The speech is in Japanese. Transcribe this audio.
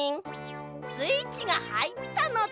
スイッチがはいったのだ。